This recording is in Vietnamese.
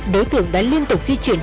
đối tượng đã liên tục di chuyển